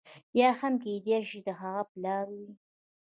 یا هم کېدای شي د هغه پلار وي.